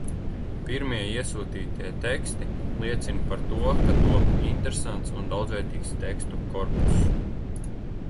Pirmie iesūtītie rakstījumi liecina par to, ka top interesants un daudzveidīgs tekstu korpuss.